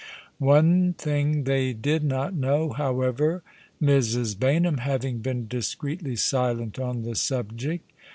One thing they did not know, however, Mrs. Baynham having been discreetly silent on the subject.